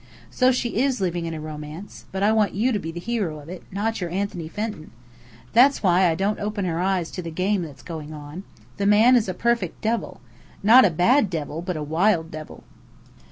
So she is living in a romance, but I want you to be the hero of it, not your Anthony Fenton. That's why I don't open her eyes to the game that's going on. The man is a perfect devil. Not a bad devil, but a wild devil.